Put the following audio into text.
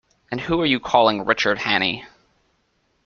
And who are you calling Richard Hannay?